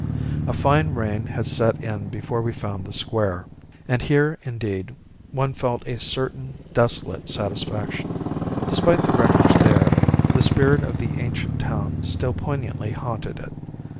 A fine rain had set in before we found the square, and here indeed one felt a certain desolate satisfaction; despite the wreckage there the spirit of the ancient town still poignantly haunted it.